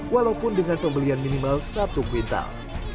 walaupun dengan pembelian minimal satu quintal